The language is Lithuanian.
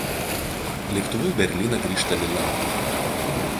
Lėktuvu į Berlyną grįžta Lila.